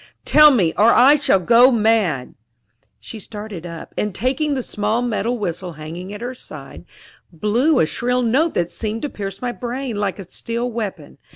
Tell me, or I shall go mad." She started up, and taking the small metal whistle hanging at her side, blew a shrill note that seemed to pierce my brain like a steel weapon.